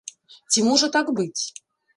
Ці можа так быць?